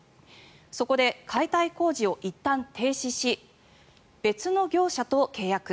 そこで、解体工事を一旦停止し別の業者と契約。